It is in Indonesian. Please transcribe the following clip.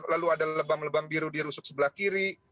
lalu ada lebam lebam biru di rusuk sebelah kiri